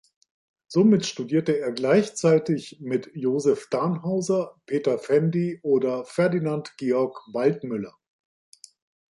Somit studierte er gleichzeitig mit Josef Danhauser, Peter Fendi oder Ferdinand Georg Waldmüller.